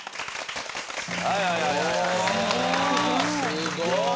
すごーい。